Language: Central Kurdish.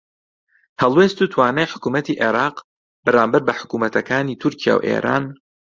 هەڵوێست و توانای حکوومەتی عێراق بەرامبەر بە حکوومەتەکانی تورکیا و ئێران